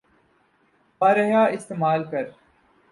بارہا استعمال کر